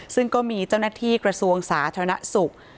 ซึ่งก็มีเจ้าหน้าที่กระทรวงสาธารณสุข